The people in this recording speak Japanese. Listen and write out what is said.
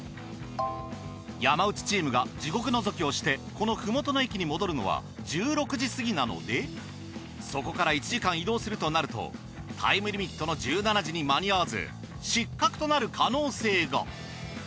山内チームが地獄のぞきをしてこのふもとの駅に戻るのは１６時過ぎなのでそこから１時間移動するとなるとタイムリミットの１７時に間に合わず失格となる可能性が。